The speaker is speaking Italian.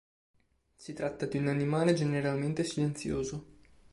Si tratta di un animale generalmente silenzioso.